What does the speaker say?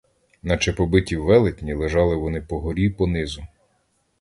Наче побиті велетні, лежали вони по горі, по низу.